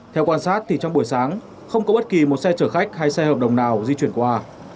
theo quan sát thì trong buổi sáng không có bất kỳ một xe chở khách hay xe hợp đồng nào di chuyển qua